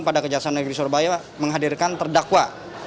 pada kejaksaan negeri surabaya menghadirkan terdakwa